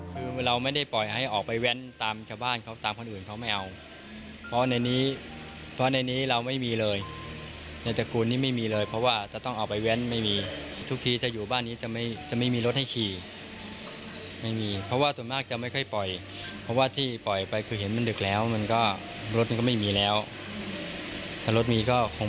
เพราะเด็กมันยังตัดนิจจัยไม่ได้